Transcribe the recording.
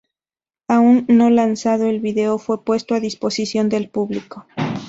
Aún no lanzado, el video fue puesto a disposición del público.